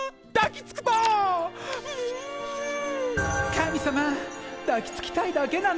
神様抱きつきたいだけなんです。